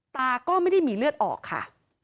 ตาก็ไม่ได้มีเลือดออกค่ะ